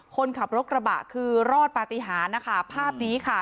คนขับรถกระบะคือรอดปฏิหารนะคะภาพนี้ค่ะ